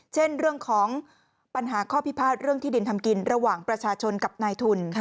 เช่นเรื่องของปัญหาข้อพิพาทเรื่องที่ดินทำกินระหว่างประชาชนกับนายทุน